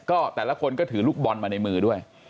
ก็แต่ละคนก็ถือลูกบอลมาในมือด้วย